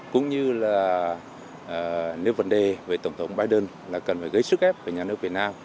cũng như nếu vấn đề về tổng thống biden là cần gây sức ép của nhà nước việt nam